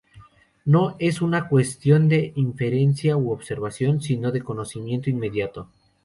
No es una cuestión de inferencia u observación, sino de un conocimiento inmediato.